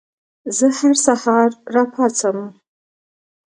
زه هر سهار راپاڅم.